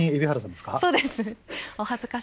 そうです。